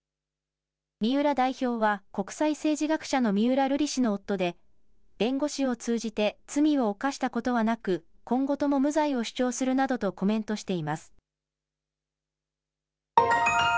三浦代表は、国際政治学者の三浦瑠麗氏の夫で、弁護士を通じて、罪を犯したことはなく、今後とも無罪を主張するなどとコメントしています。